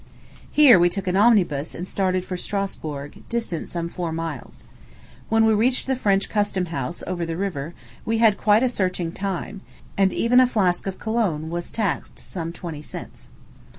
Here we took an omnibus and started for Strasburg, distant some four miles. When we reached the French custom house, over the river, we had quite a searching time; and even a flask of cologne was taxed some twenty cents.